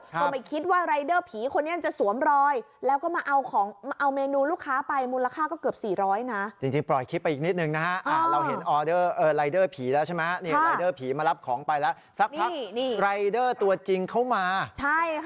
ก็ไม่คิดว่ารายเดอร์ผีคนนี้จะสวมรอยแล้วก็มาเอาของเอาเมนูลูกค้าไปมูลค่าก็เกือบสี่ร้อยนะจริงปล่อยคลิปไปอีกนิดนึงนะฮะเราเห็นออเดอร์รายเดอร์ผีแล้วใช่ไหมนี่รายเดอร์ผีมารับของไปแล้วสักพักรายเดอร์ตัวจริงเขามาใช่ค่ะ